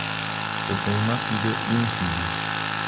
Eu tenho uma filha e um filho.